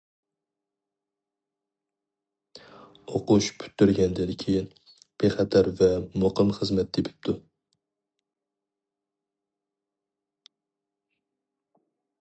ئوقۇش پۈتتۈرگەندىن كېيىن، بىخەتەر ۋە مۇقىم خىزمەت تېپىپتۇ.